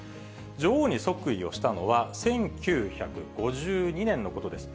女王に即位をしたのは１９５２年のことです。